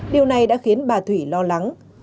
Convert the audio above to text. điều này đã khiến bà thủy lo lắng